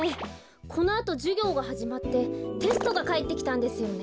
このあとじゅぎょうがはじまってテストがかえってきたんですよね。